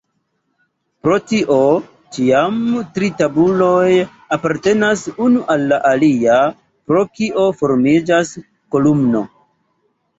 Pro tio ĉiam tri tabuloj apartenas unu al la alia, pro kio formiĝas kolumno.